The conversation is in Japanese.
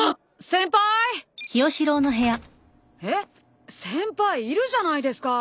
先輩いるじゃないですか！